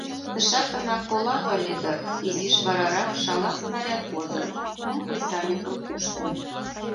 Тышакынак кола ыле дыр — изиш варарак шала снаряд возын, кум кресаньыкым пуштын.